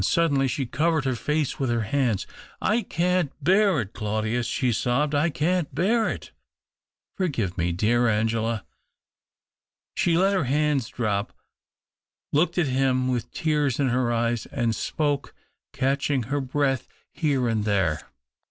Suddenly she covered her face with her hands —" I can't bear it, Claudius !" she sobbed. " I can't bear it !"" Forgive me, dear Angela." She let her hands drop, looked at him with tears in her eyes, and spoke, catching her breath here and there — THE OCTAVE OF CLAUDIUS.